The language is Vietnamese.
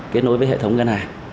kết nối với hệ thống ngân hàng